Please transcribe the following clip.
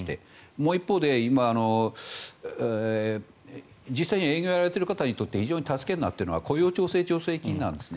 もう一方で実際に営業をやられている方にとって非常に助けになっているのは雇用調整助成金なんですね。